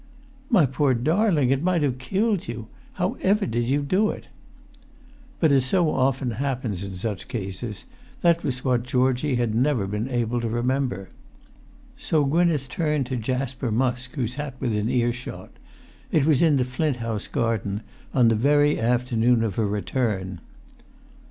"My poor darling, it might have killed you! How ever did you do it?" But, as so often happens in such cases, that was what Georgie had never been able to remember. So Gwynneth turned to Jasper Musk, who sat within earshot; it was in the Flint House garden, on the very afternoon of her return.